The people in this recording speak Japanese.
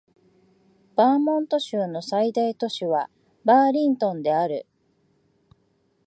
バーモント州の最大都市はバーリントンである